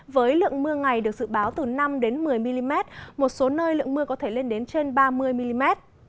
với lượng mưa ngày được dự báo từ năm một mươi mm một số nơi lượng mưa có thể lên đến trên ba mươi mm